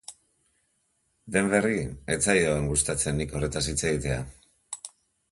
Denverri ez zaion gustatzen nik horretaz hitz egitea.